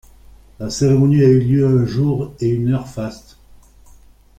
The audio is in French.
La cérémonie a lieu un jour et une heure faste.